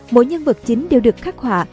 mỗi nhân vật chính đều được khắc họa